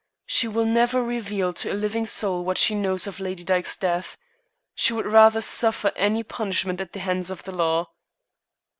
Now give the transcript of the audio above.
She will never reveal to a living soul what she knows of Lady Dyke's death. She would rather suffer any punishment at the hands of the law."